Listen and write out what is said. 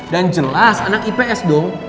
dan jelas anak ips dong